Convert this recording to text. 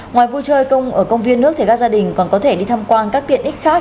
ngoài vui chơi ở công viên nước thì các gia đình còn có thể đi tham quan các tiện ích khác